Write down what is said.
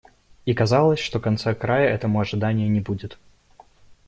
И казалось, что конца-края этому ожиданию не будет.